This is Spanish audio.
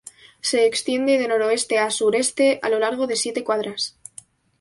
Se extiende de noroeste a sureste a lo largo de siete cuadras.